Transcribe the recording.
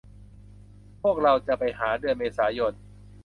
พวกเราจะไปหาเดือนเมษายน